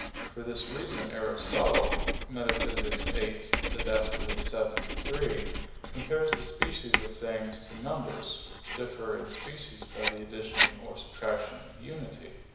For this reason Aristotle, Metaph. viii (Did. vii, 3), compares the species of things to numbers, which differ in species by the addition or subtraction of unity.